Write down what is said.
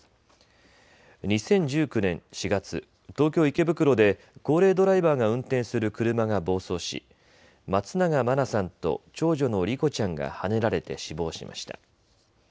２０１９年４月、東京池袋で高齢ドライバーが運転する車が暴走し松永真菜さんと長女の莉子ちゃんがはねられて死亡しました。